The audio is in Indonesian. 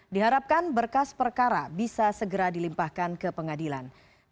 diharapkan berkas perkara bisa segera dilimpahkan ke pengadilan